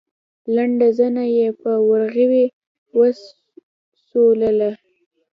لنډه زنه يې په ورغوي وسولوله.